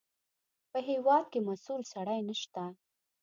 په هېواد کې مسوول سړی نشته.